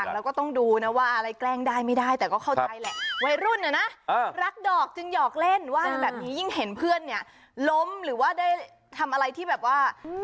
เราก็ต้องดูนะว่าอะไรแกล้งได้ไม่ได้แต่ก็เข้าใจแหละ